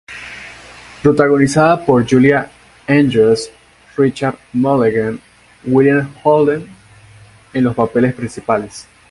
Protagonizada por Julie Andrews, Richard Mulligan, William Holden en los papeles principales.